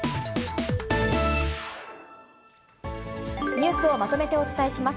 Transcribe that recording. ニュースをまとめてお伝えします。